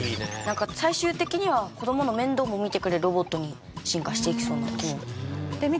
最終的には子供の面倒も見てくれるロボットに進化していきそうな気も。